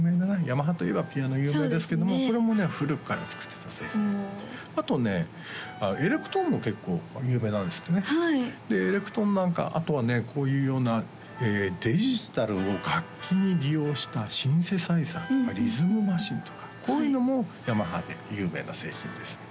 ヤマハといえばピアノ有名ですけどもこれもね古くから作ってた製品おあとねエレクトーンも結構有名なんですってねでエレクトーンなんかあとはねこういうようなデジタルを楽器に利用したシンセサイザーとかリズムマシンとかこういうのもヤマハで有名な製品です